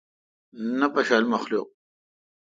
نہ پشا ل مخلوق۔